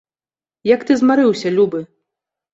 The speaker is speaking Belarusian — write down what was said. Як ты змарыўся, любы!